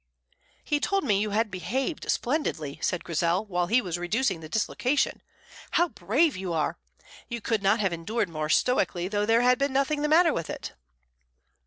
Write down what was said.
"He told me you had behaved splendidly," said Grizel, "while he was reducing the dislocation. How brave you are! You could not have endured more stoically though there had been nothing the matter with it."